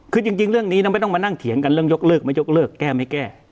คือจริงเรื่องนี้ไม่ต้องมานั่งเถียงกันเรื่องยกเลิกไม่ยกเลิกแก้ไม่แก้